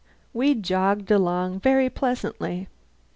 We jogged along very pleasantly.